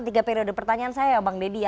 tiga periode pertanyaan saya ya bang deddy ya